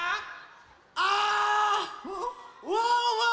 あワンワン！